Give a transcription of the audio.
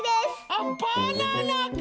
あバナナか！